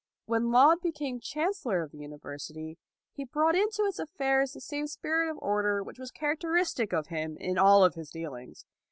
When Laud became Chancellor of the University he brought into its affairs the same spirit of order which was character istic of him in all his dealings.